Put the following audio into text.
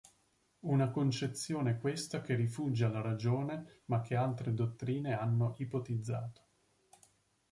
Una concezione questa che rifugge alla ragione ma che altre dottrine hanno ipotizzato.